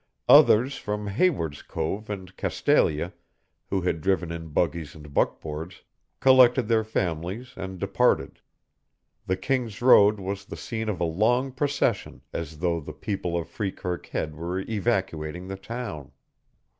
Others from Hayward's Cove and Castalia, who had driven in buggies and buckboards, collected their families and departed. The King's Road was the scene of a long procession, as though the people of Freekirk Head were evacuating the town.